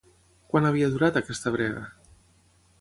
Quant havia durat aquesta brega?